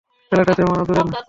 ছেলেটা তেমন আদুরে না।